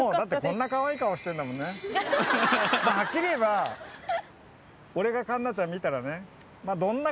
はっきり言えば俺が環奈ちゃん見たらね。